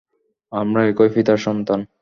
আমরা একই পিতার সন্তান।